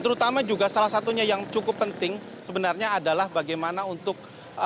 terutama juga salah satunya yang cukup penting sebenarnya adalah bagaimana untuk